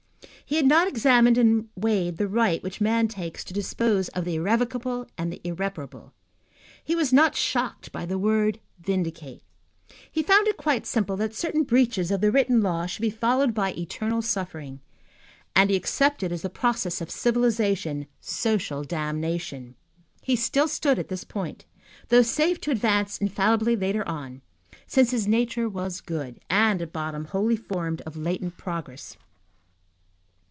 He had not examined and weighed the right which man takes to dispose of the irrevocable and the irreparable. He was not shocked by the word vindicte. He found it quite simple that certain breaches of the written law should be followed by eternal suffering, and he accepted, as the process of civilization, social damnation. He still stood at this point, though safe to advance infallibly later on, since his nature was good, and, at bottom, wholly formed of latent progress.